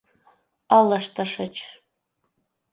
Ылыжтышыч.